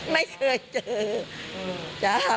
ไม่เคยเจอตั้งแต่